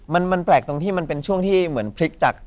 มันแปลกตรงที่มันเป็นช่วงที่เหมือนพลิกจาก